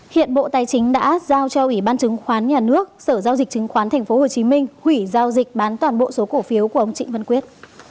hiện bộ tài chính đã giao cho ủy ban chứng khoán nhà nước sở giao dịch chứng khoán tp hcm hủy giao dịch bán toàn bộ số cổ phiếu của ông trịnh văn quyết